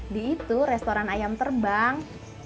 di itu restoran ayam terbang